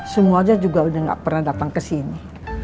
semuanya juga udah gak pernah datang kesini